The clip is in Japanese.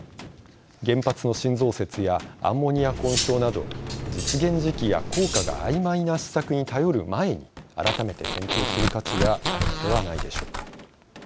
原発の新増設やアンモニア混焼など実現時期や効果があいまいな施策に頼る前に改めて検討する価値があるのではないでしょうか。